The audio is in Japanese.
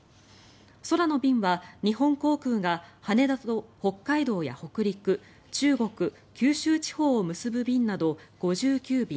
空の便は日本航空が羽田と北海道や北陸、中国九州地方を結ぶ便など５９便。